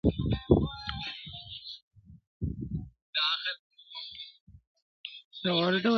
هره شېبه درس د قربانۍ لري،